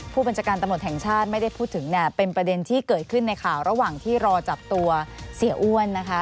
ผู้บัญชาการตำรวจแห่งชาติไม่ได้พูดถึงเนี่ยเป็นประเด็นที่เกิดขึ้นในข่าวระหว่างที่รอจับตัวเสียอ้วนนะคะ